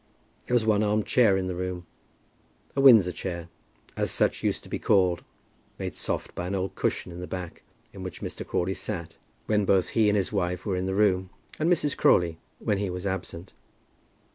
There was one arm chair in the room, a Windsor chair, as such used to be called, made soft by an old cushion in the back, in which Mr. Crawley sat when both he and his wife were in the room, and Mrs. Crawley when he was absent.